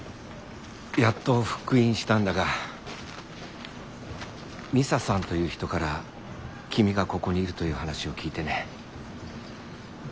やっと復員したんだがミサさんという人から君がここにいるという話を聞いてね。